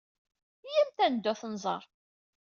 Iyyamt ad neddu ad ten-nẓer.